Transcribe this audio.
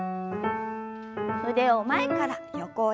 腕を前から横へ。